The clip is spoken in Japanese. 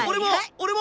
俺も！